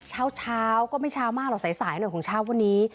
เช้าก็ไม่เช้ามากหรอกสายหน่อยของเช้าวันนี้